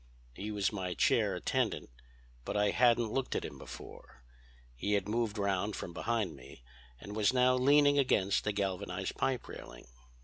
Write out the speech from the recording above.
He was my chair attendant, but I hadn't looked at him before. He had moved round from behind me and was now leaning against the galvanized pipe railing.